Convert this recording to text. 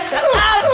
aduh aduh aduh